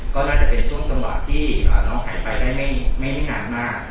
ก็น่าจะเป็นช่วงสำหรับที่น้องหายไปได้ไม่มาก